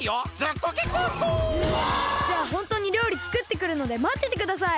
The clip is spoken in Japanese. じゃあホントにりょうり作ってくるのでまっててください。